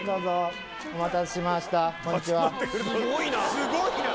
すごいな！